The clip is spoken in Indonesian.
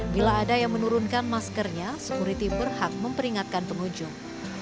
bila ada yang menurunkan maskernya sekuriti berhak memperingatkan pengunjung